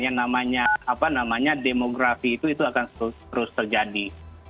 yang namanya demografi itu akan terus terjadi